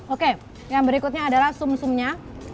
oke yang berikutnya adalah sum sumnya